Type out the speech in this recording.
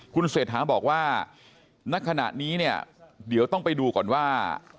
คุณเศรษฐาบอกว่าณขณะนี้เนี่ยเดี๋ยวต้องไปดูก่อนว่า